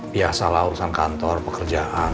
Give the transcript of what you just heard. biasalah urusan kantor pekerjaan